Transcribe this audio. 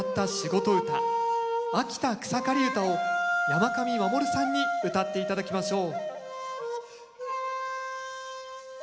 「秋田草刈唄」を山上衛さんにうたって頂きましょう。